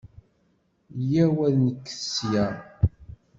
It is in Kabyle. Yya-w ad nekket ssya.